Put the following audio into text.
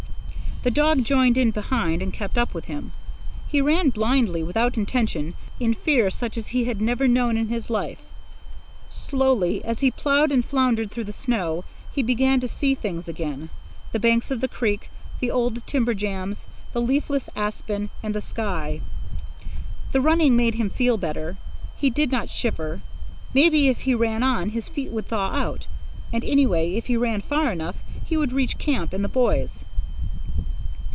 The dog joined in behind and kept up with him. He ran blindly, without intention, in fear such as he had never known in his life. Slowly, as he ploughed and floundered through the snow, he began to see things again—the banks of the creek, the old timber jams, the leafless aspens, and the sky. The running made him feel better. He did not shiver. Maybe, if he ran on, his feet would thaw out; and, anyway, if he ran far enough, he would reach camp and the boys.